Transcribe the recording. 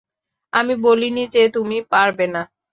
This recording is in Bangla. আমি বলিনি যে তুমি পারবেনা।